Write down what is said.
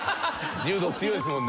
柔道強いですもんね。